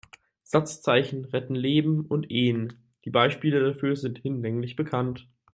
Satzzeichen retten Leben und Ehen, die Beispiele dafür sind hinlänglich bekannt.